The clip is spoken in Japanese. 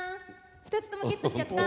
２つともゲットしちゃった！